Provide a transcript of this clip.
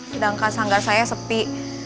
sedangkan sanggar saya sepi